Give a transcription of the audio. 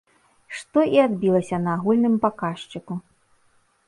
Што і адбілася на агульным паказчыку.